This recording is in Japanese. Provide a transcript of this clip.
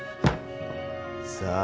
さあ。